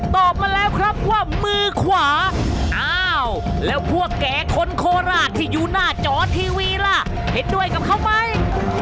ตอบมาแล้วครับว่ามือขวาอ้าวแล้วพวกแก่คนโคราชที่อยู่หน้าจอทีวีล่ะเห็นด้วยกับเขาไหม